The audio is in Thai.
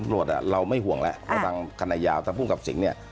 ตรงมิล่อเด้อเราไม่ห่วงแหละเอาทางขณะยาวจะพูดกับสิ่งนี้นะ